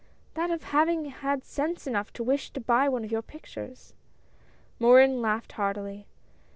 " That of having had sense enough to wish to buy one of your pictures !" Morin laughed heartily.